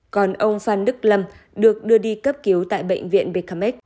còn ông phan đức lâm được đưa đi cấp cứu tại bệnh viện bkmec